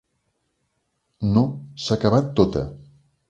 No, s'ha acabat tota.